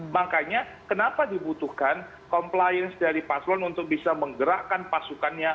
makanya kenapa dibutuhkan compliance dari paslon untuk bisa menggerakkan pasukannya